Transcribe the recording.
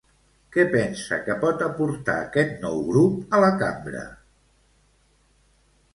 Què pensa que pot aportar aquest nou grup a la Cambra?